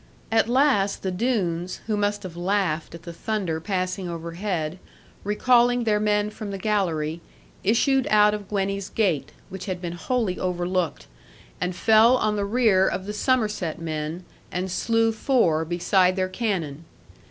At last the Doones (who must have laughed at the thunder passing overhead) recalling their men from the gallery, issued out of Gwenny's gate (which had been wholly overlooked) and fell on the rear of the Somerset men, and slew four beside their cannon.